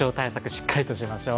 しっかりとしましょう。